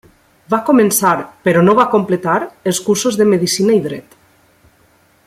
Va començar, però no va completar, els cursos de medicina i dret.